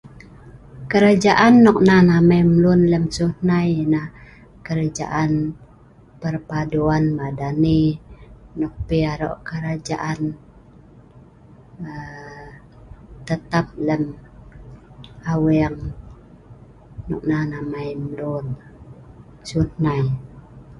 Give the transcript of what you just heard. kerajaan nok an amai mai mlun nok siu hnai ialah kelajaan perpaduan, madani nok pi arok kelajaan aa tetap lem aweng nok nan amai mlun siu hnai